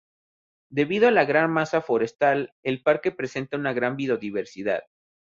Debido a la gran masa forestal el parque presenta una gran biodiversidad.